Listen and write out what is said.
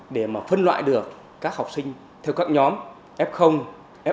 để phân loại được các học sinh theo các nhóm f f một f hai và các đối tượng khác